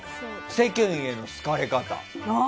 世間への好かれ方。